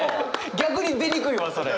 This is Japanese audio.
逆に出にくいわそれ！